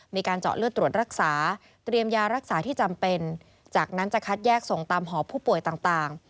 มีการเจาะเลือดตรวจรักษาเตรียมยารักษาที่จำเป็นจากนั้นจะคัดแยกส่งตามหอผู้ป่วยต่าง